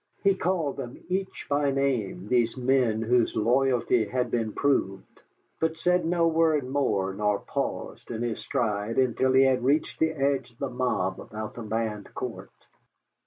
He called them each by name, these men whose loyalty had been proved, but said no word more nor paused in his stride until he had reached the edge of the mob about the land court.